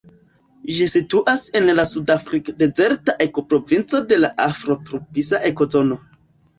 Ĝi situas en la sudafrik-dezerta ekoprovinco de la afrotropisa ekozono.